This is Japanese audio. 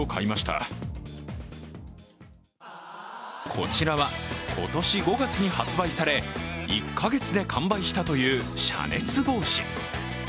こちらは今年５月に発売され、１か月で完売したという遮熱帽子。